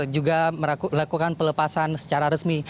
juga melakukan pelepasan secara resmi